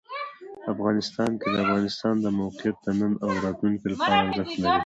افغانستان کې د افغانستان د موقعیت د نن او راتلونکي لپاره ارزښت لري.